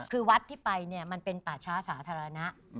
คือวัดที่ไปเนี่ยมันเป็นป่าช้าสาธารณะ